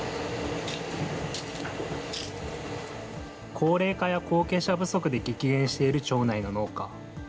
高齢化や後継者不足で激減している町内の農家。